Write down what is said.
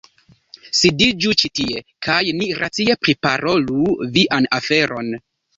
Sidiĝu ĉi tie, kaj ni racie priparolu vian aferon.